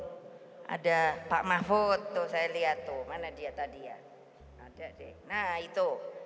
sebut rud haben dan bersama dengan ma hademgroup ana william dan dia mengulangi diri itu